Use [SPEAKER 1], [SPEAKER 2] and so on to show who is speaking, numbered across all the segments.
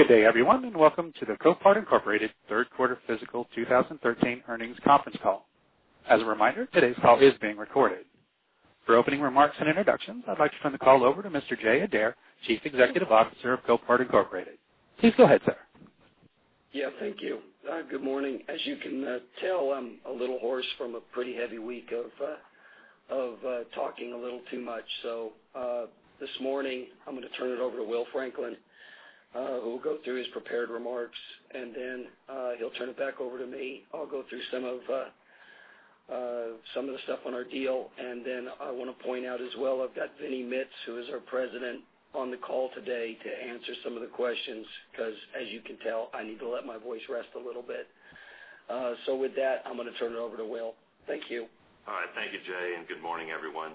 [SPEAKER 1] Good day, everyone, and welcome to the Copart, Inc. third quarter fiscal 2013 earnings conference call. As a reminder, today's call is being recorded. For opening remarks and introductions, I'd like to turn the call over to Mr. Jay Adair, Chief Executive Officer of Copart, Inc. Please go ahead, sir.
[SPEAKER 2] Yeah, thank you. Good morning. As you can tell, I'm a little hoarse from a pretty heavy week of talking a little too much. This morning, I'm going to turn it over to Will Franklin, who will go through his prepared remarks, he'll turn it back over to me. I'll go through some of the stuff on our deal, I want to point out as well, I've got Vinny Mitz, who is our President, on the call today to answer some of the questions, because as you can tell, I need to let my voice rest a little bit. With that, I'm going to turn it over to Will. Thank you.
[SPEAKER 3] All right. Thank you, Jay, good morning, everyone.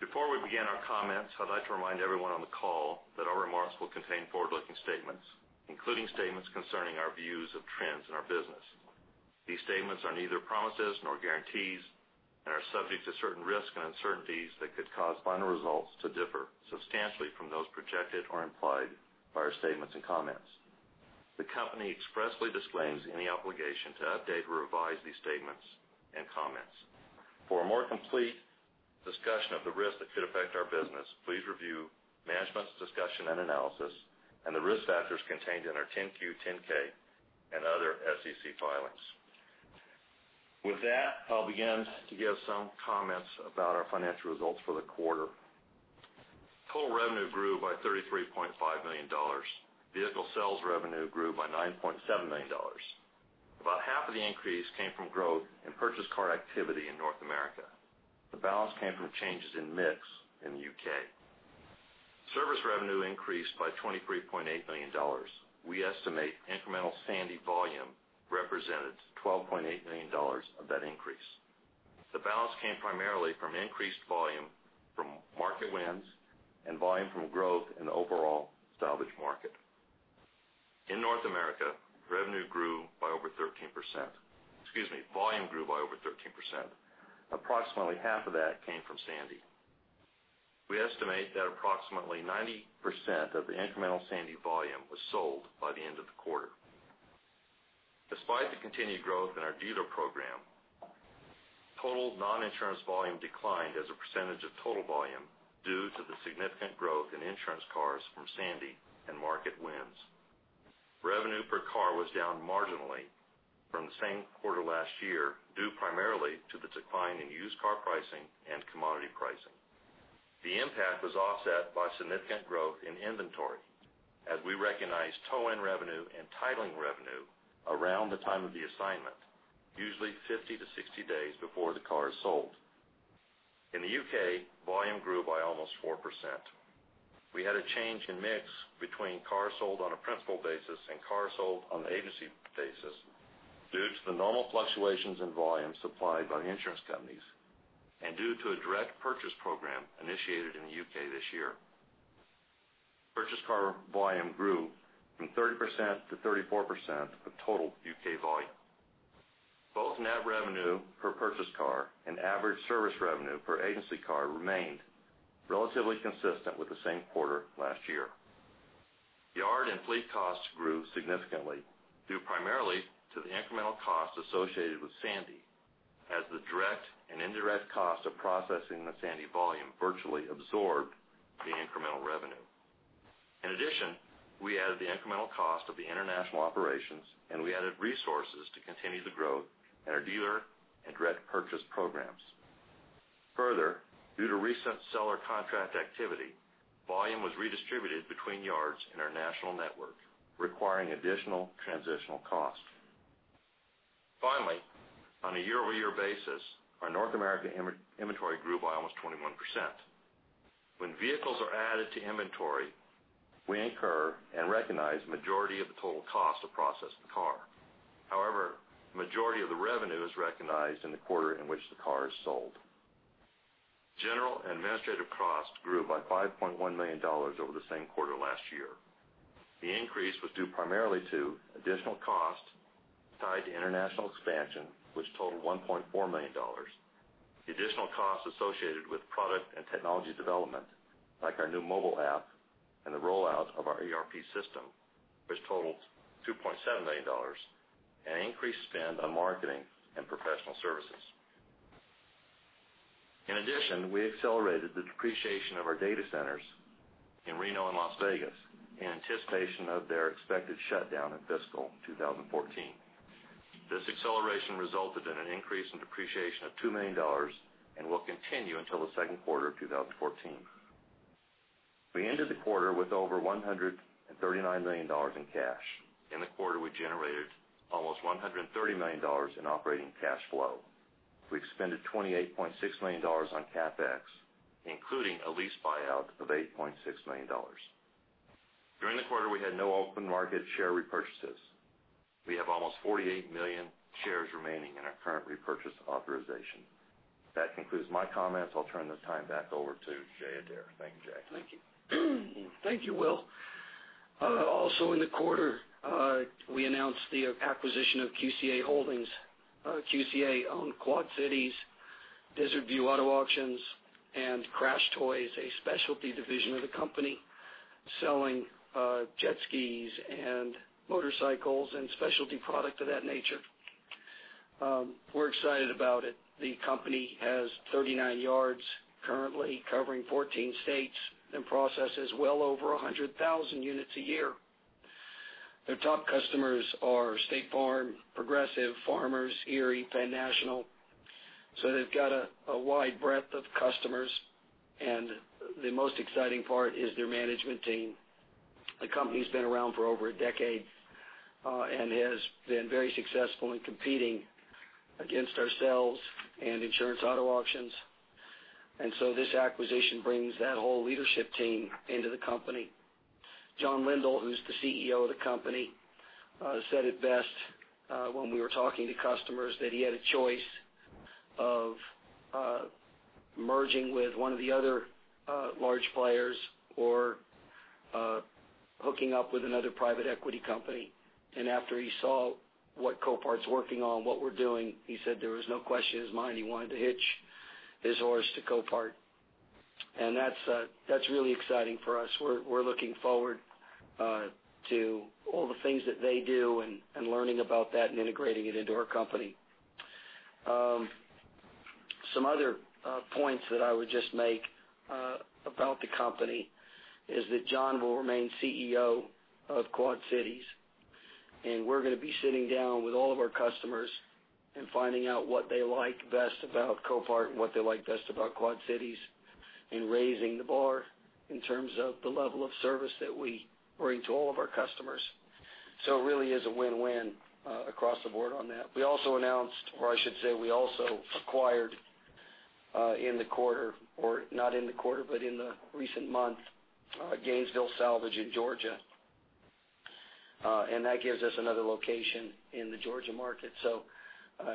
[SPEAKER 3] Before we begin our comments, I'd like to remind everyone on the call that our remarks will contain forward-looking statements, including statements concerning our views of trends in our business. These statements are neither promises nor guarantees and are subject to certain risks and uncertainties that could cause final results to differ substantially from those projected or implied by our statements and comments. The company expressly disclaims any obligation to update or revise these statements and comments. For a more complete discussion of the risks that could affect our business, please review management's discussion and analysis and the risk factors contained in our 10-Q, 10-K, and other SEC filings. With that, I'll begin to give some comments about our financial results for the quarter. Total revenue grew by $33.5 million. Vehicle sales revenue grew by $9.7 million. About half of the increase came from growth in purchase car activity in North America. The balance came from changes in mix in the U.K. Service revenue increased by $23.8 million. We estimate incremental Hurricane Sandy volume represented $12.8 million of that increase. The balance came primarily from increased volume from market wins and volume from growth in the overall salvage market. In North America, volume grew by over 13%. Approximately half of that came from Hurricane Sandy. We estimate that approximately 90% of the incremental Hurricane Sandy volume was sold by the end of the quarter. Despite the continued growth in our dealer program, total non-insurance volume declined as a percentage of total volume due to the significant growth in insurance cars from Hurricane Sandy and market wins. Revenue per car was down marginally from the same quarter last year, due primarily to the decline in used car pricing and commodity pricing. The impact was offset by significant growth in inventory as we recognized tow-in revenue and titling revenue around the time of the assignment, usually 50-60 days before the car is sold. In the U.K., volume grew by almost 4%. We had a change in mix between cars sold on a principal basis and cars sold on the agency basis due to the normal fluctuations in volume supplied by the insurance companies and due to a direct purchase program initiated in the U.K. this year. Purchased car volume grew from 30%-34% of total U.K. volume. Both net revenue per purchased car and average service revenue per agency car remained relatively consistent with the same quarter last year. Yard and fleet costs grew significantly due primarily to the incremental cost associated with Hurricane Sandy, as the direct and indirect cost of processing the Hurricane Sandy volume virtually absorbed the incremental revenue. In addition, we added the incremental cost of the international operations, and we added resources to continue the growth in our dealer and direct purchase programs. Further, due to recent seller contract activity, volume was redistributed between yards in our national network, requiring additional transitional costs. Finally, on a year-over-year basis, our North American inventory grew by almost 21%. When vehicles are added to inventory, we incur and recognize the majority of the total cost to process the car. However, the majority of the revenue is recognized in the quarter in which the car is sold. General and administrative costs grew by $5.1 million over the same quarter last year. The increase was due primarily to additional costs tied to international expansion, which totaled $1.4 million. The additional costs associated with product and technology development, like our new mobile app and the rollout of our ERP system, which totals $2.7 million, and increased spend on marketing and professional services. In addition, we accelerated the depreciation of our data centers in Reno and Las Vegas in anticipation of their expected shutdown in FY 2014. This acceleration resulted in an increase in depreciation of $2 million and will continue until the second quarter of 2014. We ended the quarter with over $139 million in cash. In the quarter, we generated almost $130 million in operating cash flow. We expended $28.6 million on CapEx, including a lease buyout of $8.6 million. During the quarter, we had no open market share repurchases. We have almost 48 million shares remaining in our current repurchase authorization. That concludes my comments. I'll turn this time back over to Jay Adair. Thank you, Jay.
[SPEAKER 2] Thank you. Thank you, Will. In the quarter, we announced the acquisition of QCSA Holdings. QCSA owned Quad Cities, Desert View Auto Auctions, and CrashedToys, a specialty division of the company, selling jet skis and motorcycles and specialty product of that nature. We're excited about it. The company has 39 yards currently, covering 14 states, and processes well over 100,000 units a year. They've got a wide breadth of customers, and the most exciting part is their management team. The company's been around for over a decade and has been very successful in competing against ourselves and Insurance Auto Auctions. This acquisition brings that whole leadership team into the company. John Lindell, who's the CEO of the company, said it best when we were talking to customers that he had a choice of merging with one of the other large players or hooking up with another private equity company. After he saw what Copart's working on, what we're doing, he said there was no question in his mind he wanted to hitch his horse to Copart. That's really exciting for us. We're looking forward to all the things that they do and learning about that and integrating it into our company. Some other points that I would just make about the company is that John will remain CEO of Quad Cities. We're going to be sitting down with all of our customers and finding out what they like best about Copart and what they like best about Quad Cities and raising the bar in terms of the level of service that we bring to all of our customers. It really is a win-win across the board on that. We also announced, or I should say, we also acquired in the quarter, or not in the quarter, but in the recent month, Gainesville Salvage in Georgia. That gives us another location in the Georgia market.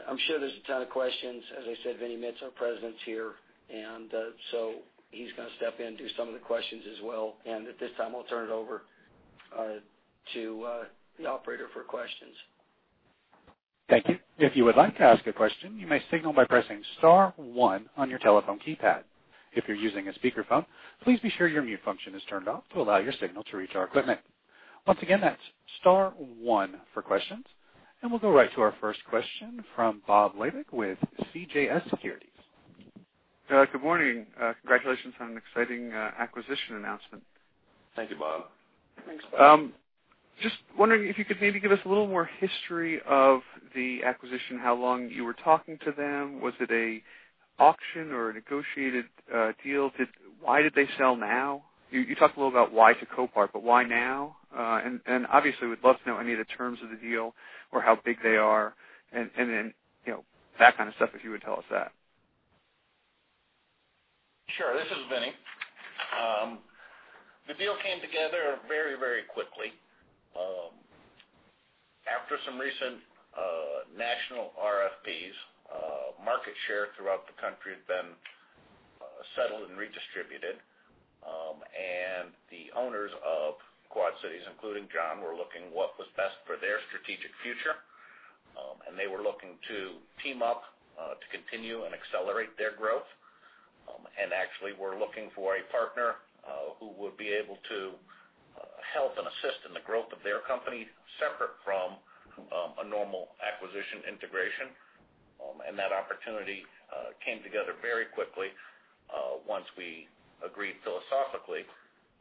[SPEAKER 2] I'm sure there's a ton of questions. As I said, Vinny Mitz, our President's here, he's going to step in, do some of the questions as well. At this time, I'll turn it over to the operator for questions.
[SPEAKER 1] Thank you. If you would like to ask a question, you may signal by pressing star one on your telephone keypad. If you're using a speakerphone, please be sure your mute function is turned off to allow your signal to reach our equipment. Once again, that's star one for questions. We'll go right to our first question from Robert Labick with CJS Securities.
[SPEAKER 4] Good morning. Congratulations on an exciting acquisition announcement.
[SPEAKER 2] Thank you, Bob. Thanks, Bob.
[SPEAKER 4] Just wondering if you could maybe give us a little more history of the acquisition, how long you were talking to them. Was it an auction or a negotiated deal? Why did they sell now? You talked a little about why to Copart, but why now? Obviously, we'd love to know any of the terms of the deal or how big they are and then that kind of stuff, if you would tell us that.
[SPEAKER 5] Sure. This is Vinny. The deal came together very quickly. After some recent national RFPs, market share throughout the country had been settled and redistributed. The owners of Quad Cities, including John, were looking what was best for their strategic future. They were looking to team up to continue and accelerate their growth. Actually, were looking for a partner who would be able to help and assist in the growth of their company, separate from a normal acquisition integration. That opportunity came together very quickly once we agreed philosophically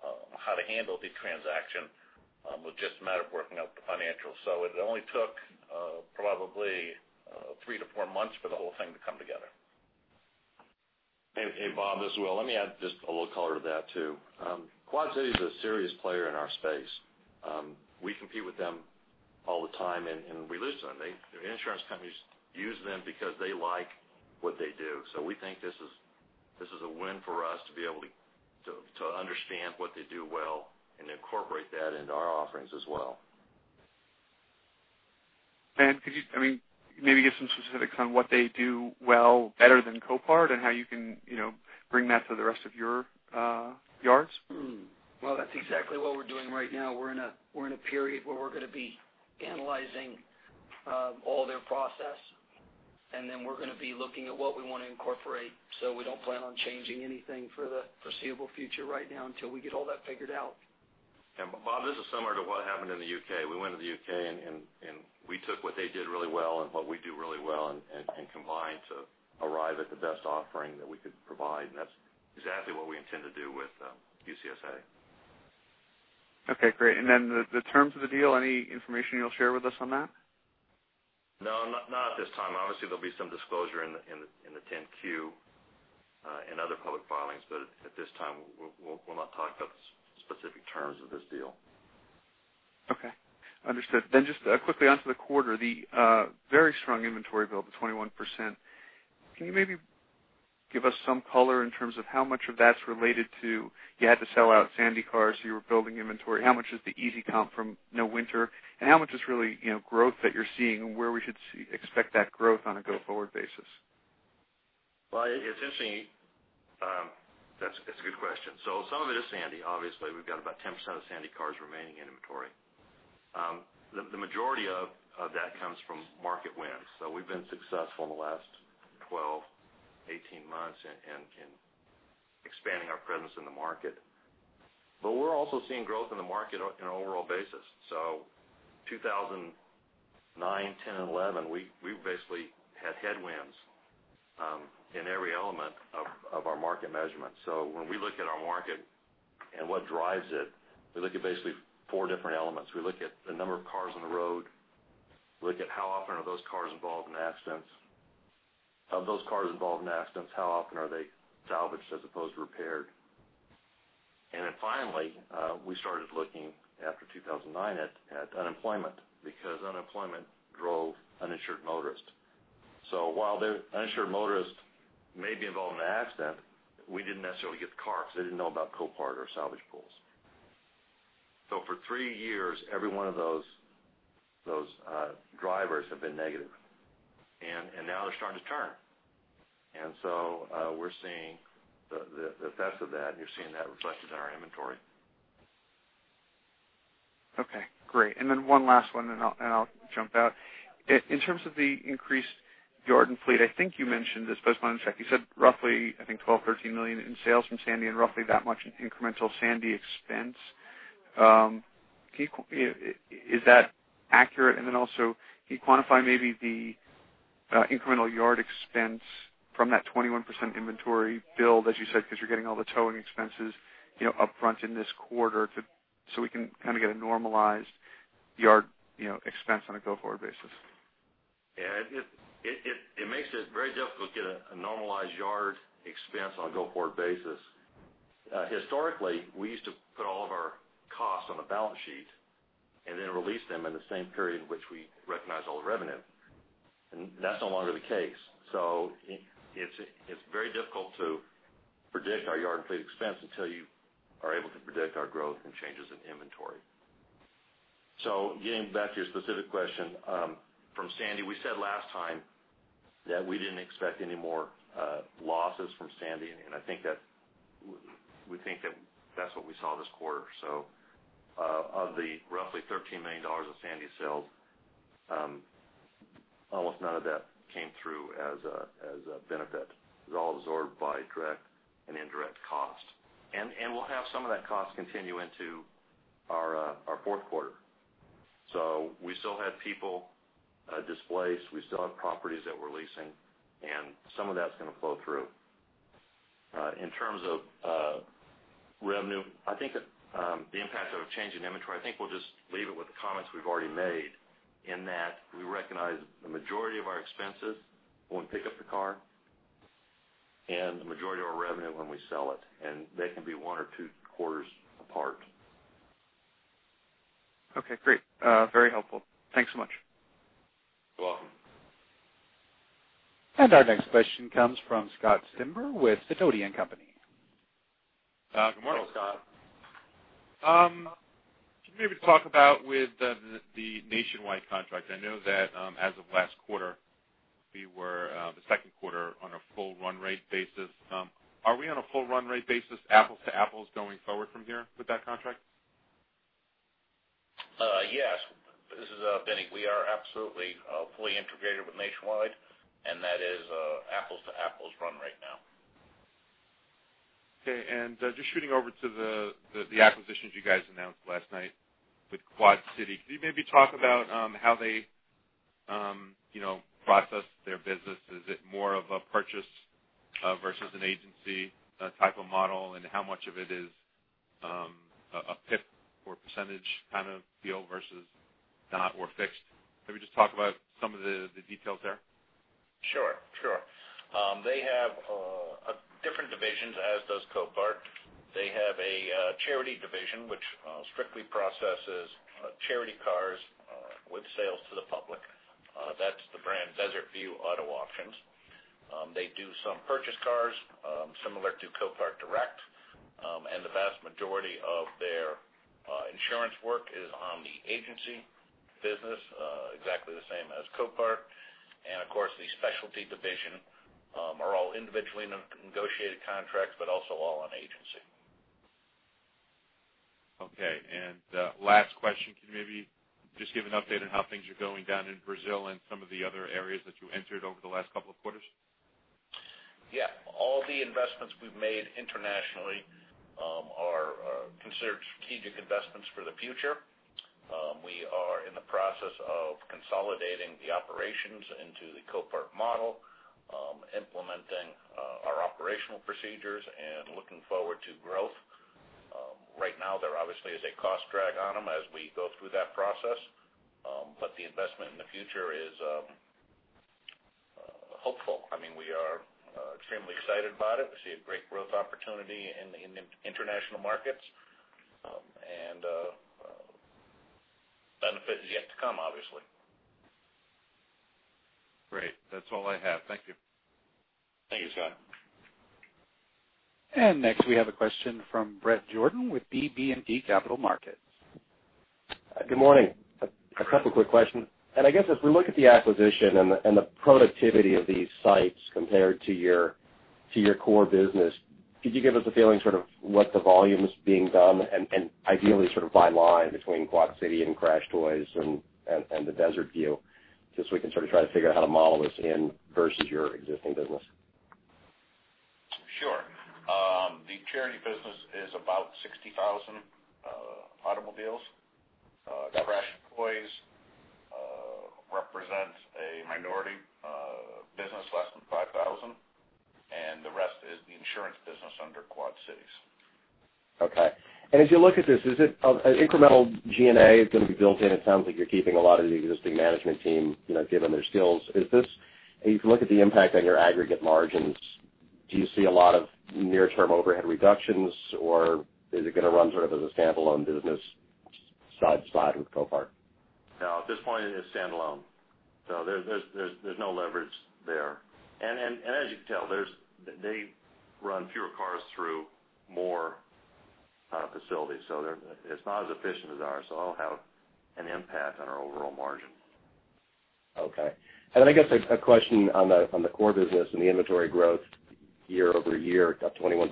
[SPEAKER 5] on how to handle the transaction. It was just a matter of working out the financials. It only took probably 3-4 months for the whole thing to come together.
[SPEAKER 2] Hey, Bob as well, let me add just a little color to that, too. Quad City is a serious player in our space. We compete with them all the time, and we lose to them. The insurance companies use them because they like what they do. We think this is a win for us to be able to understand what they do well and incorporate that into our offerings as well.
[SPEAKER 4] Could you maybe give some specifics on what they do well better than Copart, and how you can bring that to the rest of your yards?
[SPEAKER 2] Well, that's exactly what we're doing right now. We're in a period where we're going to be analyzing all their process, and then we're going to be looking at what we want to incorporate. We don't plan on changing anything for the foreseeable future right now until we get all that figured out. Bob, this is similar to what happened in the U.K. We went to the U.K., we took what they did really well and what we do really well and combined to arrive at the best offering that we could provide, and that's exactly what we intend to do with QCSA.
[SPEAKER 4] Okay, great. Then the terms of the deal, any information you'll share with us on that?
[SPEAKER 2] No, not at this time. Obviously, there'll be some disclosure in the 10-Q and other public filings, at this time, we'll not talk about the specific terms of this deal.
[SPEAKER 4] Okay. Understood. Then just quickly onto the quarter, the very strong inventory build, the 21%. Can you maybe give us some color in terms of how much of that's related to you had to sell out Sandy cars, so you were building inventory? How much is the easy comp from no winter, how much is really growth that you're seeing and where we should expect that growth on a go-forward basis?
[SPEAKER 3] That's a good question. Some of it is Sandy. Obviously, we've got about 10% of Sandy cars remaining in inventory. The majority of that comes from market wins. We've been successful in the last 12, 18 months in expanding our presence in the market. We're also seeing growth in the market on an overall basis. 2009, 2010, and 2011, we basically had headwinds in every element of our market measurement. When we look at our market and what drives it, we look at basically four different elements. We look at the number of cars on the road. We look at how often are those cars involved in accidents. Of those cars involved in accidents, how often are they salvaged as opposed to repaired? Finally, I started looking, after 2009, at unemployment, because unemployment drove uninsured motorists. While the uninsured motorist may be involved in an accident, we didn't necessarily get the car, because they didn't know about Copart or salvage pools. For three years, every one of those drivers have been negative, and now they're starting to turn. We're seeing the effects of that, and you're seeing that reflected in our inventory.
[SPEAKER 4] Okay, great. One last one, and I'll jump out. In terms of the increased yard and fleet, I think you mentioned this, but just wanted to check. You said roughly, I think, $12 million-$13 million in sales from Sandy and roughly that much in incremental Sandy expense. Is that accurate? Also, can you quantify maybe the incremental yard expense from that 21% inventory build, as you said, because you're getting all the towing expenses upfront in this quarter, so we can kind of get a normalized yard expense on a go-forward basis?
[SPEAKER 3] It makes it very difficult to get a normalized yard expense on a go-forward basis. Historically, we used to put all of our costs on the balance sheet and then release them in the same period in which we recognize all the revenue, and that's no longer the case. It's very difficult to predict our yard and fleet expense until you are able to predict our growth and changes in inventory. Getting back to your specific question, from Sandy, we said last time that we didn't expect any more losses from Sandy, and we think that that's what we saw this quarter. Of the roughly $13 million of Sandy sales, almost none of that came through as a benefit. It was all absorbed by direct and indirect cost. We'll have some of that cost continue into our fourth quarter. We still have people displaced. We still have properties that we're leasing, and some of that's going to flow through. In terms of revenue, I think that the impact of a change in inventory, I think we'll just leave it with the comments we've already made, in that we recognize the majority of our expenses when we pick up the car and the majority of our revenue when we sell it, and they can be one or two quarters apart.
[SPEAKER 4] Okay, great. Very helpful. Thanks so much.
[SPEAKER 3] You're welcome.
[SPEAKER 1] Our next question comes from Scott Cimber with Citonean Company.
[SPEAKER 3] Good morning, Scott.
[SPEAKER 6] Can you maybe talk about with the Nationwide contract, I know that as of last quarter, the second quarter, on a full run rate basis. Are we on a full run rate basis, apples to apples, going forward from here with that contract?
[SPEAKER 5] Yes. This is Vinny. We are absolutely fully integrated with Nationwide, that is apples to apples run right now.
[SPEAKER 6] Okay, just shooting over to the acquisitions you guys announced last night with Quad City. Can you maybe talk about how they process their business? Is it more of a purchase versus an agency type of model? How much of it is a PIP or % kind of deal versus not or fixed? Maybe just talk about some of the details there.
[SPEAKER 5] Sure. They have different divisions, as does Copart. They have a charity division, which strictly processes charity cars with sales to the public. That's the brand Desert View Auto Auctions. They do some purchase cars, similar to Copart Direct. The vast majority of their insurance work is on the agency business, exactly the same as Copart. Of course, the specialty division are all individually negotiated contracts, but also all on agency.
[SPEAKER 6] Okay. Last question, can you maybe just give an update on how things are going down in Brazil and some of the other areas that you entered over the last couple of quarters?
[SPEAKER 5] Yeah. All the investments we've made internationally are considered strategic investments for the future. We are in the process of consolidating the operations into the Copart model, implementing our operational procedures, and looking forward to growth. Right now, there obviously is a cost drag on them as we go through that process. The investment in the future is hopeful. We are extremely excited about it. We see a great growth opportunity in the international markets, and benefit is yet to come, obviously.
[SPEAKER 6] Great. That's all I have. Thank you.
[SPEAKER 3] Thank you, Scott.
[SPEAKER 1] Next we have a question from Bret Jordan with BB&T Capital Markets.
[SPEAKER 7] Good morning. A couple quick questions. I guess as we look at the acquisition and the productivity of these sites compared to your core business, could you give us a feeling sort of what the volume is being done and ideally sort of by line between Quad City and CrashedToys and the Desert View, just so we can sort of try to figure out how to model this in versus your existing business?
[SPEAKER 5] Sure. The charity business is about 60,000 automobiles. CrashedToys represents a minority business, less than 5,000, and the rest is the insurance business under Quad Cities.
[SPEAKER 7] As you look at this, is it an incremental G&A is going to be built in? It sounds like you're keeping a lot of the existing management team, given their skills. If you look at the impact on your aggregate margins, do you see a lot of near-term overhead reductions, or is it going to run sort of as a standalone business side by side with Copart?
[SPEAKER 5] No, at this point, it is standalone. There's no leverage there. As you can tell, they run fewer cars through more facilities. It's not as efficient as ours, so that'll have an impact on our overall margin.
[SPEAKER 7] Okay. I guess a question on the core business and the inventory growth year-over-year, it's up 21%.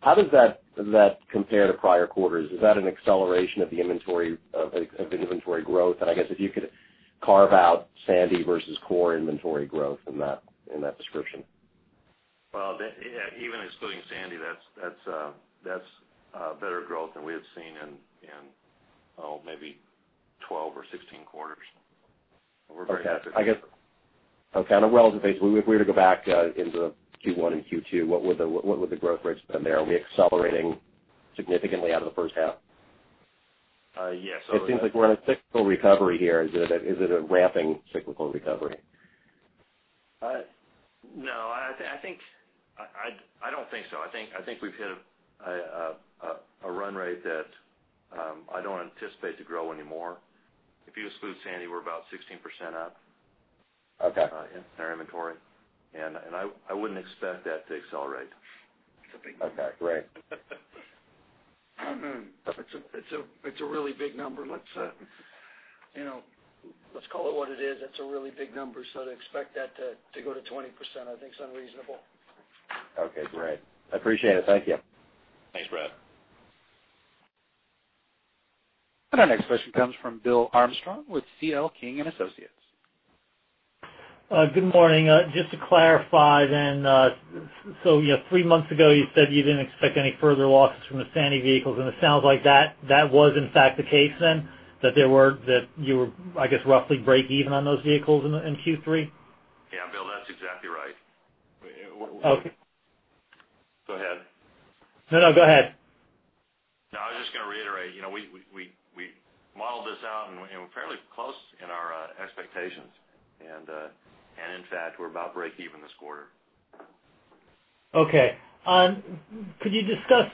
[SPEAKER 7] How does that compare to prior quarters? Is that an acceleration of the inventory growth? I guess if you could carve out Sandy versus core inventory growth in that description.
[SPEAKER 3] Well, even excluding Sandy, that's better growth than we have seen in maybe 12 or 16 quarters. We're very happy with it.
[SPEAKER 7] Okay. On a relative basis, if we were to go back into Q1 and Q2, what would the growth rates been there? Are we accelerating significantly out of the first half?
[SPEAKER 3] Yes.
[SPEAKER 7] It seems like we're in a cyclical recovery here. Is it a ramping cyclical recovery?
[SPEAKER 3] No. I don't think so. I think we've hit a run rate that I don't anticipate to grow any more. If you exclude Sandy, we're about 16% up-
[SPEAKER 7] Okay
[SPEAKER 3] in our inventory. I wouldn't expect that to accelerate.
[SPEAKER 7] Okay, great.
[SPEAKER 2] It's a really big number. Let's call it what it is. It's a really big number. To expect that to go to 20%, I think is unreasonable.
[SPEAKER 7] Okay, great. I appreciate it. Thank you.
[SPEAKER 3] Thanks, Bret.
[SPEAKER 1] Our next question comes from Bill Armstrong with C.L. King & Associates.
[SPEAKER 8] Good morning. Just to clarify then, so 3 months ago you said you didn't expect any further losses from the Sandy vehicles, and it sounds like that was in fact the case then, that you were, I guess, roughly break even on those vehicles in Q3?
[SPEAKER 3] Yeah, Bill, that's exactly right.
[SPEAKER 8] Okay.
[SPEAKER 3] Go ahead.
[SPEAKER 8] No, no, go ahead.
[SPEAKER 3] No, I was just going to reiterate. We modeled this out and we're fairly close in our expectations. In fact, we're about break even this quarter.
[SPEAKER 8] Okay. Could you discuss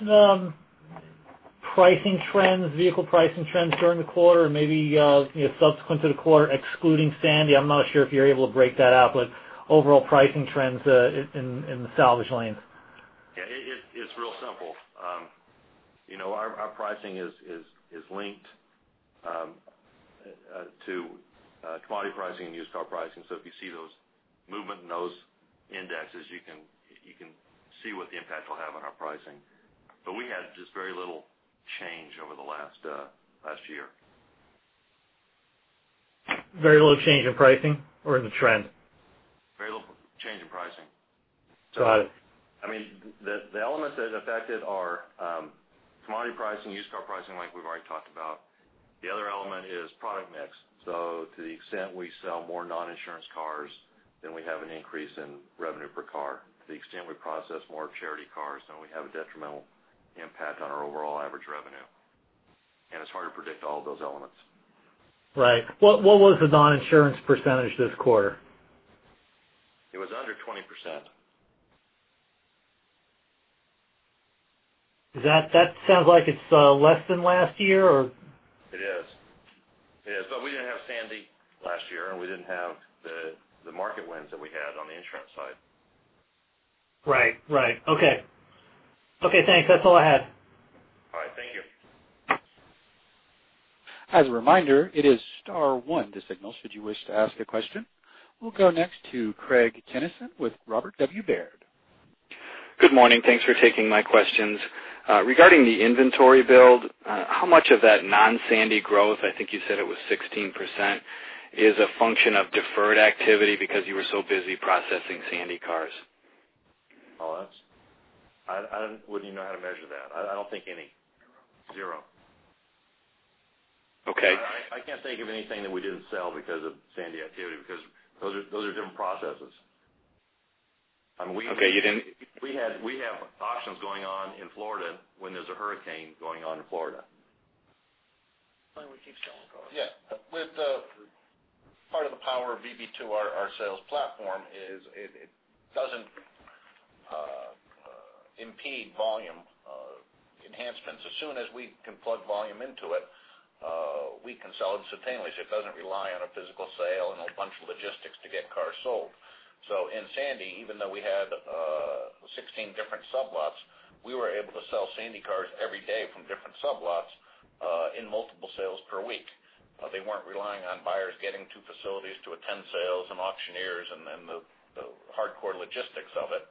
[SPEAKER 8] pricing trends, vehicle pricing trends during the quarter or maybe subsequent to the quarter, excluding Sandy? I'm not sure if you're able to break that out, overall pricing trends in the salvage lane.
[SPEAKER 3] Yeah, it's real simple. Our pricing is linked to commodity pricing and used car pricing. If you see those movement in those indexes, you can see what the impact will have on our pricing. We had just very little change over the last year.
[SPEAKER 8] Very little change in pricing or the trend?
[SPEAKER 3] Very little change in pricing.
[SPEAKER 8] Got it.
[SPEAKER 3] The elements that affected our commodity pricing, used car pricing, like we've already talked about. The other element is product mix. To the extent we sell more non-insurance cars, then we have an increase in revenue per car. To the extent we process more charity cars, then we have a detrimental impact on our overall average revenue. It's hard to predict all of those elements.
[SPEAKER 8] Right. What was the non-insurance % this quarter?
[SPEAKER 3] It was under 20%.
[SPEAKER 8] That sounds like it's less than last year, or?
[SPEAKER 3] It is. We didn't have Sandy last year, and we didn't have the market wins that we had on the insurance side.
[SPEAKER 8] Right. Okay. Okay, thanks. That's all I had.
[SPEAKER 3] All right. Thank you.
[SPEAKER 1] As a reminder, it is star one to signal should you wish to ask a question. We'll go next to Craig Kennison with Robert W. Baird.
[SPEAKER 9] Good morning. Thanks for taking my questions. Regarding the inventory build, how much of that non-Hurricane Sandy growth, I think you said it was 16%, is a function of deferred activity because you were so busy processing Hurricane Sandy cars?
[SPEAKER 3] I wouldn't even know how to measure that. I don't think any. Zero.
[SPEAKER 9] Okay.
[SPEAKER 3] I can't think of anything that we didn't sell because of Sandy activity, because those are different processes.
[SPEAKER 9] Okay.
[SPEAKER 3] We have auctions going on in Florida when there's a hurricane going on in Florida.
[SPEAKER 2] I think we keep selling cars.
[SPEAKER 3] Yeah. Part of the power of VB2, our sales platform, is it doesn't impede volume enhancements. As soon as we can plug volume into it, we can sell it sustainably. It doesn't rely on a physical sale and a bunch of logistics to get cars sold. In Sandy, even though we had 16 different sublots, we were able to sell Sandy cars every day from different sublots in multiple sales per week.
[SPEAKER 2] They weren't relying on buyers getting to facilities to attend sales and auctioneers and then the hardcore logistics of it.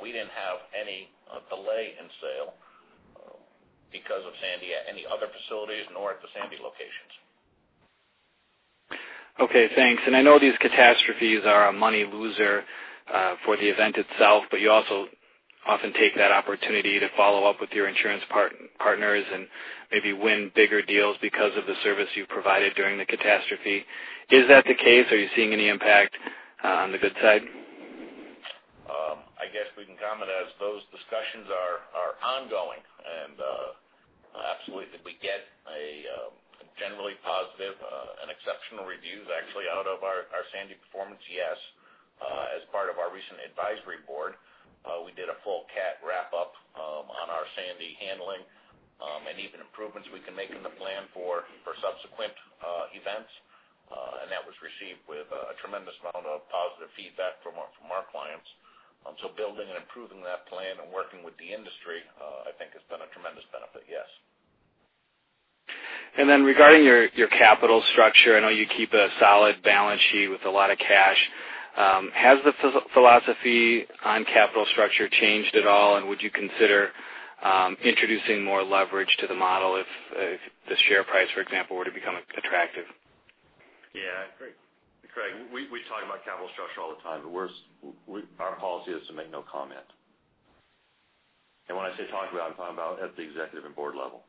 [SPEAKER 2] We didn't have any delay in sale because of Sandy at any other facilities nor at the Sandy locations.
[SPEAKER 9] Okay, thanks. I know these catastrophes are a money loser for the event itself. You also often take that opportunity to follow up with your insurance partners and maybe win bigger deals because of the service you provided during the catastrophe. Is that the case? Are you seeing any impact on the good side?
[SPEAKER 2] I guess we can comment as those discussions are ongoing. Absolutely, we get a generally positive and exceptional reviews actually out of our Sandy performance. As part of our recent advisory board, we did a full cat wrap up on our Sandy handling, and even improvements we can make in the plan for subsequent events. That was received with a tremendous amount of positive feedback from our clients. Building and improving that plan and working with the industry, I think has been a tremendous benefit.
[SPEAKER 9] Regarding your capital structure, I know you keep a solid balance sheet with a lot of cash. Has the philosophy on capital structure changed at all? Would you consider introducing more leverage to the model if the share price, for example, were to become attractive?
[SPEAKER 2] Craig, we talk about capital structure all the time, our policy is to make no comment. When I say talk about, I'm talking about at the executive and board level.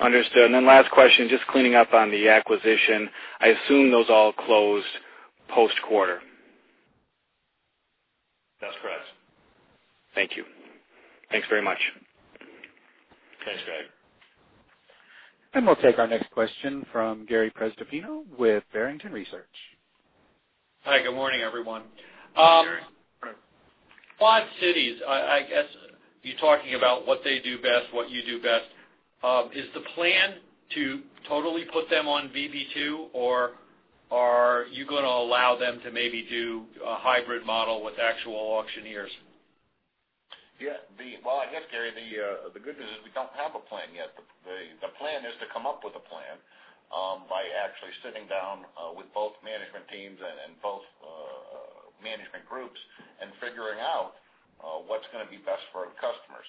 [SPEAKER 9] Understood. Last question, just cleaning up on the acquisition. I assume those all closed post-quarter.
[SPEAKER 2] That's correct.
[SPEAKER 9] Thank you. Thanks very much.
[SPEAKER 2] Thanks, Craig.
[SPEAKER 1] We'll take our next question from Gary Prestopino with Barrington Research.
[SPEAKER 10] Hi, good morning, everyone.
[SPEAKER 2] Gary.
[SPEAKER 10] Quad Cities, I guess you talking about what they do best, what you do best. Is the plan to totally put them on VB2, or are you going to allow them to maybe do a hybrid model with actual auctioneers?
[SPEAKER 2] Yeah. Well, I guess, Gary, the good news is we don't have a plan yet. The plan is to come up with a plan by actually sitting down with both management teams and both management groups and figuring out what's going to be best for our customers.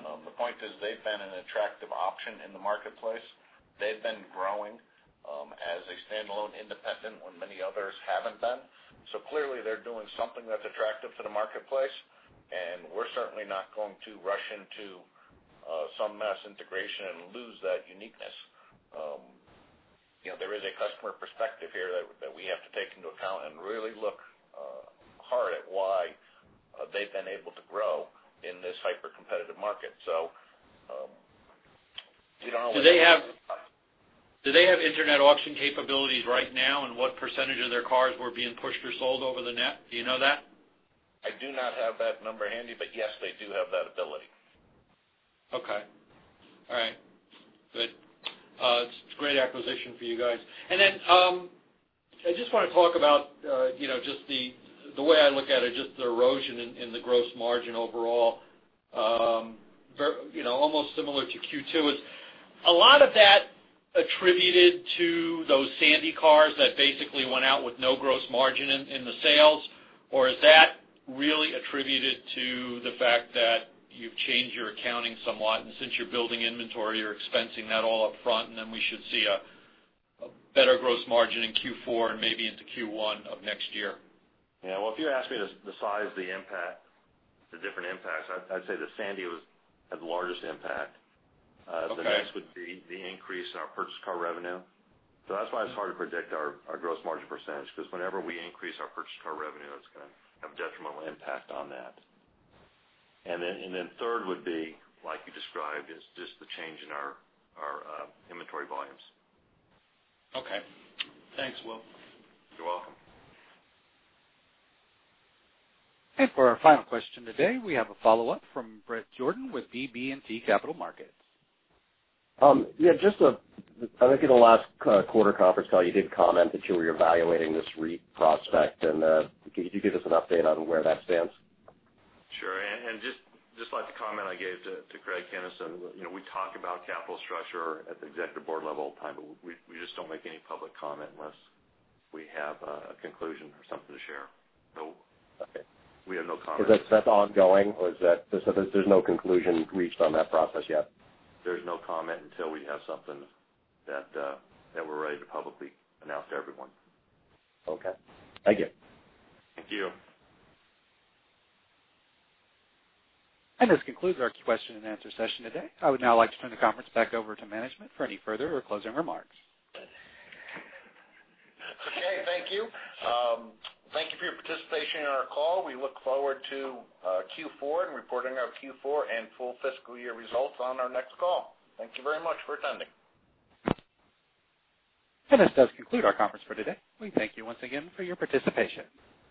[SPEAKER 2] The point is, they've been an attractive option in the marketplace. They've been growing as a standalone independent when many others haven't been. Clearly, they're doing something that's attractive to the marketplace, and we're certainly not going to rush into some mass integration and lose that uniqueness. There is a customer perspective here that we have to take into account and really look hard at why they've been able to grow in this hyper-competitive market. You don't always.
[SPEAKER 10] Do they have internet auction capabilities right now, and what percentage of their cars were being pushed or sold over the net? Do you know that?
[SPEAKER 2] I do not have that number handy, yes, they do have that ability.
[SPEAKER 10] Okay. All right, good. It's a great acquisition for you guys. I just want to talk about, just the way I look at it, just the erosion in the gross margin overall, almost similar to Q2. Is a lot of that attributed to those Sandy cars that basically went out with no gross margin in the sales? Or is that really attributed to the fact that you've changed your accounting somewhat, and since you're building inventory, you're expensing that all up front, then we should see a better gross margin in Q4 and maybe into Q1 of next year?
[SPEAKER 3] Yeah. Well, if you ask me the size of the impact, the different impacts, I'd say that Sandy had the largest impact.
[SPEAKER 10] Okay.
[SPEAKER 3] The next would be the increase in our purchased car revenue. That's why it's hard to predict our gross margin percentage, because whenever we increase our purchased car revenue, it's going to have a detrimental impact on that. Third would be, like you described, is just the change in our inventory volumes.
[SPEAKER 10] Okay. Thanks, Will.
[SPEAKER 3] You're welcome.
[SPEAKER 1] For our final question today, we have a follow-up from Bret Jordan with BB&T Capital Markets.
[SPEAKER 7] I think in the last quarter conference call, you did comment that you were evaluating this REIT prospect. Could you give us an update on where that stands?
[SPEAKER 2] Sure. Just like the comment I gave to Craig Kennison, we talk about capital structure at the executive board level all the time, but we just don't make any public comment unless we have a conclusion or something to share.
[SPEAKER 7] Okay
[SPEAKER 2] we have no comment.
[SPEAKER 7] Is that ongoing, or there's no conclusion reached on that process yet?
[SPEAKER 2] There's no comment until we have something that we're ready to publicly announce to everyone.
[SPEAKER 7] Okay. Thank you.
[SPEAKER 2] Thank you.
[SPEAKER 1] This concludes our question and answer session today. I would now like to turn the conference back over to management for any further or closing remarks.
[SPEAKER 2] Okay, thank you. Thank you for your participation in our call. We look forward to Q4 and reporting our Q4 and full fiscal year results on our next call. Thank you very much for attending.
[SPEAKER 1] This does conclude our conference for today. We thank you once again for your participation.